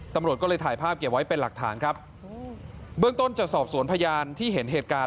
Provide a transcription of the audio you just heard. ตำรวจก็เลยถ่ายภาพเก็บไว้เป็นหลักฐานครับเบื้องต้นจะสอบสวนพยานที่เห็นเหตุการณ์